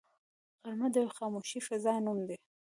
غرمه د یوې خاموشې فضا نوم دی